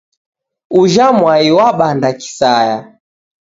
Ujha mwai wabanda kisaya.